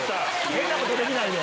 変なことできないね。